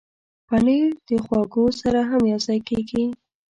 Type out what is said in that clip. پنېر د خواږو سره هم یوځای کېږي.